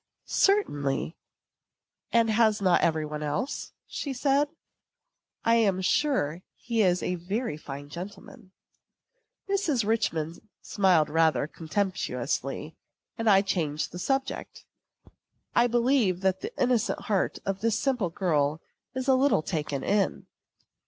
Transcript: "Certainly; and has not every body else?" said she. "I am sure he is a very fine gentleman." Mrs. Richman smiled rather contemptuously, and I changed the subject. I believe that the innocent heart of this simple girl is a little taken in.